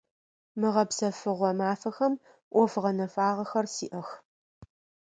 Мы гъэпсэфыгъо мафэхэм ӏоф гъэнэфагъэхэр сиӏэх.